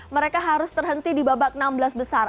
mereka harus terhenti di babak enam belas besar